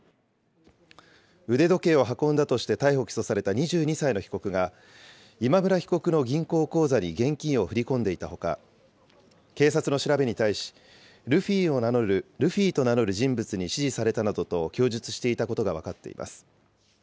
腕時計を運んだとして逮捕・起訴された２２歳の被告が、今村被告の銀行口座に現金を振り込んでいたほか、警察の調べに対し、ルフィと名乗る人物に指示されたなどと供述していたことが分かっています。